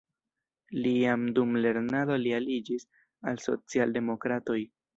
Li jam dum lernado li aliĝis al socialdemokratoj.